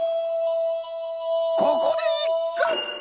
ここでいっく！